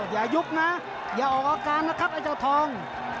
อย่ายุบนะอย่าออกอาการนะครับไอ้เจ้าทอง